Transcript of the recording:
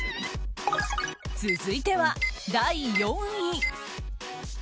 続いては第４位。